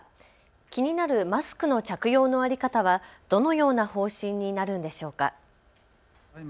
気になるマスクの着用の在り方はどのような方針になるんでしょうか。